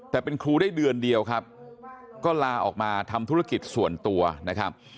แต่เป็นครูได้เดือนเดียวครับก็ลาออกมาทำธุรกิจส่วนตัวนะครับ